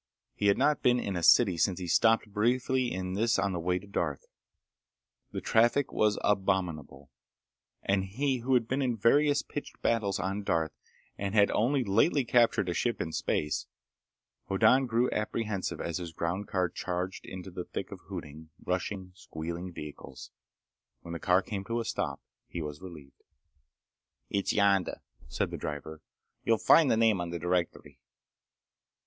He had not been in a city since he stopped briefly in this on the way to Darth. The traffic was abominable. And he, who'd been in various pitched battles on Darth and had only lately captured a ship in space— Hoddan grew apprehensive as his ground car charged into the thick of hooting, rushing, squealing vehicles. When the car came to a stop he was relieved. "It's yonder," said the driver. "You'll find the name on the directory."